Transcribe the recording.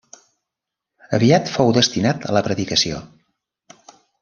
Aviat fou destinat a la predicació.